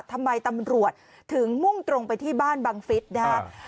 ทำไมตำรวจถึงมุ่งตรงไปที่บ้านบังฟิศนะครับ